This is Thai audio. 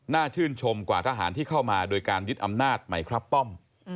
ชื่นชมกว่าทหารที่เข้ามาโดยการยึดอำนาจใหม่ครับป้อม